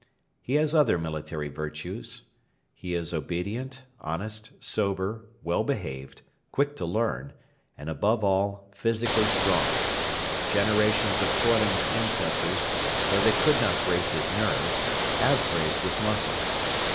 He has other military virtues. He is obedient, honest, sober, well behaved, quick to learn, and, above all, physically strong. Generations of toiling ancestors, though they could not brace his nerves, have braced his muscles.